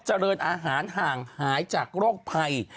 เจริญอาหารห่างหายจากโรคภัย